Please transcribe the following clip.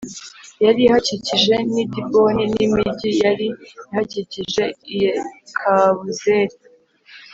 Yari ihakikije n i diboni n imigi yari ihakikije i yekabuzeri